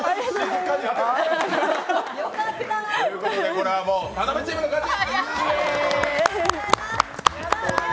これは田辺チームの勝ち！